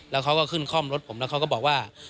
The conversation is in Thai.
แล้วเขาก็ขึ้นคล่อมรถผมแล้วเขาก็บอกว่า